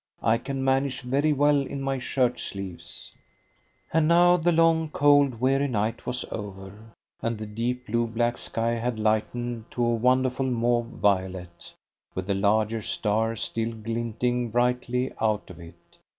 I can manage very well in my shirt sleeves." And now the long, cold, weary night was over, and the deep blue black sky had lightened to a wonderful mauve violet, with the larger stars still glinting brightly out of it.